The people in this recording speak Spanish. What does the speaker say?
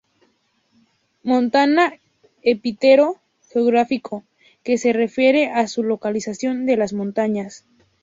Montana: epíteto geográfico que se refiere a su localización en las montañas.